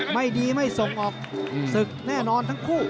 ไม่ดีไม่ส่งออกศึกแน่นอนทั้งคู่